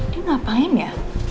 dia ngapain ya